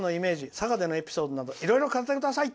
佐賀でのエピソードなど一緒に語ってください」。